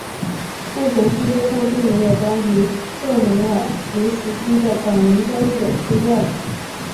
目前世界上并没有关于赫梅尔尼茨基的早年教育的资料。